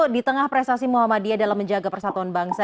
di tengah prestasi muhammadiyah dalam menjaga persatuan bangsa